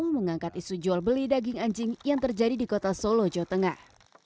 mengangkat isu jual beli daging anjing yang terjadi di kota solo jawa tengah